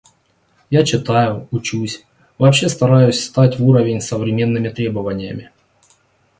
Я читаю, учусь, вообще стараюсь стать в уровень с современными требованиями.